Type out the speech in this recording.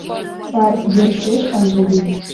Сар йӧршеш ынже лий.